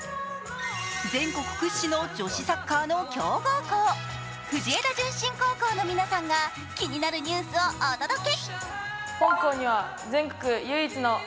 全国屈指の女子サッカーの強豪校、藤枝順心高校の皆さんが、気になるニュースをお届け。